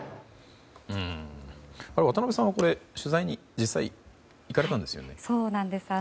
渡辺さんは取材に実際行かれたんですよね？